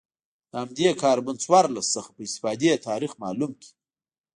له همدې کاربن څوارلس څخه په استفادې تاریخ معلوم کړي